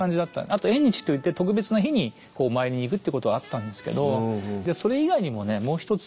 あと「縁日」といって特別な日にこうお参りに行くっていうことはあったんですけどそれ以外にもねもう一つ